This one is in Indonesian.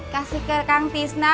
kasih ke kang tisna